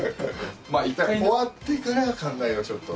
終わってから考えようちょっと。